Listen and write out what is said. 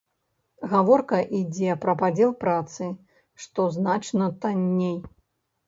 Гаворка ідзе пра падзел працы, што значна танней.